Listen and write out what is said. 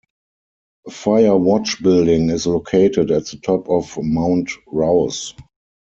A fire watch building is located at the top of Mount Rouse.